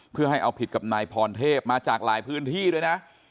เพื่อให้เอาผิดกับนายพรเทพมาจากหลายพื้นที่ด้วยนะ